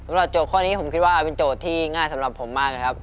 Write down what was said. โจทย์ข้อนี้ผมคิดว่าเป็นโจทย์ที่ง่ายสำหรับผมมากนะครับ